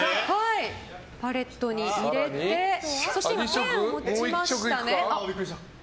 パレットに入れてそしてペンを持ちましたね。